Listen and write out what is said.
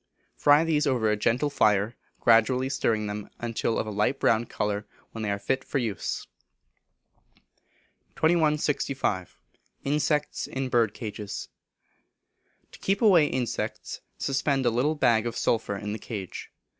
Fry these over a gentle fire, gradually stirring them until of a light brown colour, when they are fit for use. 2165. Insects in Birdcages. To keep away insects suspend a little bag of sulphur in the cage.